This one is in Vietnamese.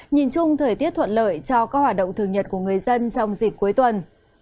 nhìn chung thời tiết thuận lợi cho các hoạt động thường nhật của người dân trong dịp cuối tuần